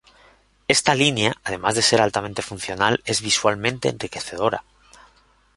Esta línea además de ser altamente funcional es visualmente enriquecedora.